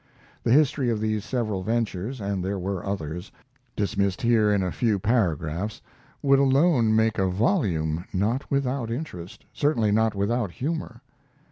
The history of these several ventures (and there were others), dismissed here in a few paragraphs, would alone make a volume not without interest, certainly not without humor.